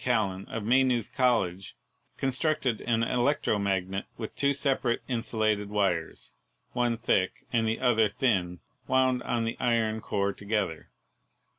Cal lan, of Maynooth College, constructed an electromagnet with two separate insulated wires, one thick and the other thin, wound on the iron core together.